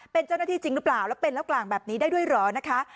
เป็นเจ้าหน้าที่จริงหรือเปล่าแล้วเป็นแล้วกลางแบบนี้ได้ด้วยเหรอนะคะ